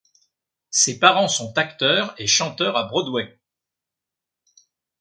Ses parents sont acteur et chanteur à Broadway.